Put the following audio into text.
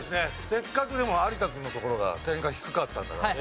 せっかくでも有田君のところが点が低かったんだからね